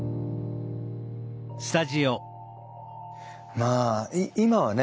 まあ今はね